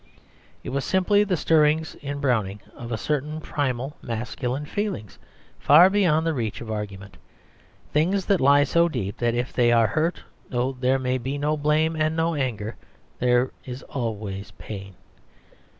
It was simply the stirring in Browning of certain primal masculine feelings far beyond the reach of argument things that lie so deep that if they are hurt, though there may be no blame and no anger, there is always pain.